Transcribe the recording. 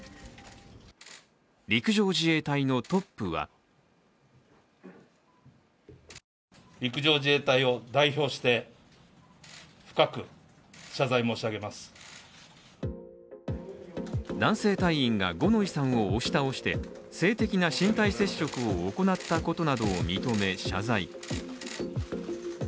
陸上自衛隊のトップは男性隊員が五ノ井さんを押し倒して性的な身体接触を行ったことなどを認め、謝罪。